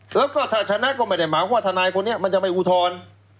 แล้วก็ถ้าชนะก็ไม่ได้หมายว่าทนายคนนี้มันจะไม่อุทธรณ์